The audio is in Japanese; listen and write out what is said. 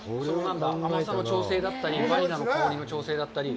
甘さの調整だったり、バニラの香りの調整だったり。